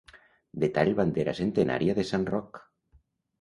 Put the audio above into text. Detall bandera centenària de Sant Roc.